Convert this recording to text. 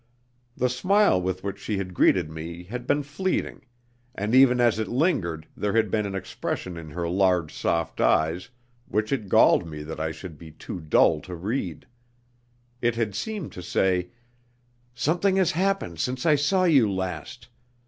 The smile with which she had greeted me had been fleeting, and even as it lingered there had been an expression in her large soft eyes which it galled me that I should be too dull to read. It had seemed to say, "Something has happened since I saw you last.